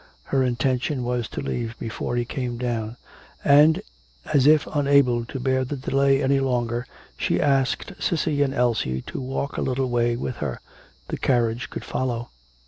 Her intention was to leave before he came down; and, as if unable to bear the delay any longer, she asked Cissy and Elsie to walk a little way with her. The carriage could follow.